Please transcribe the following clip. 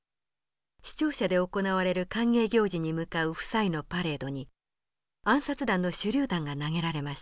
市庁舎で行われる歓迎行事に向かう夫妻のパレードに暗殺団の手榴弾が投げられました。